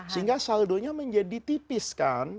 sehingga saldonya menjadi tipis kan